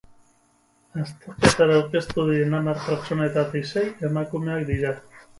Azterketara aurkeztu diren hamar pertsonetatik sei emakumeak dira.